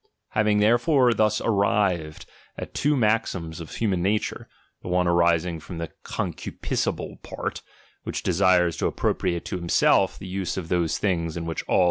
Having therefore thus arrived at two maxims of human nature ; the one arising from the concupiscible part, which desires to appropriate to itself the use of those things in which al!